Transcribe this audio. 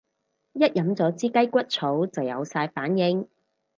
一飲咗支雞骨草就有晒反應